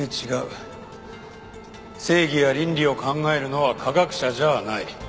正義や倫理を考えるのは科学者じゃない。